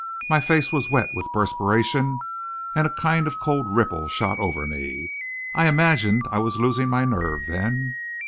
My face was wet with perspiration and a kind of cold ripple shot over me. I imagined I was losing my nerve then.